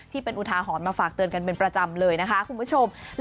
อุทาหรณ์มาฝากเตือนกันเป็นประจำเลยนะคะคุณผู้ชม